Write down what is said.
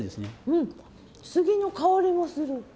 うん杉の香りもする。